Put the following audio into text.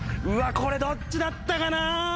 これどっちだったかな！